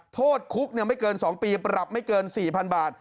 โทษคุกไม่เกิน๒ปีปรับไม่เกิน๔๐๐๐บาท